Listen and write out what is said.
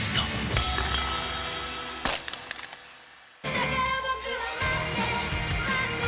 だから僕は待って待って